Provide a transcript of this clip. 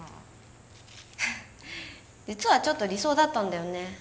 実はちょっと理想だったんだよね。